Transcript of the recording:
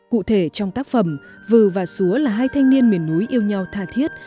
cụ thể trong tác phẩm vừa và súa là hai thanh niên miền núi yêu nhau tha thiết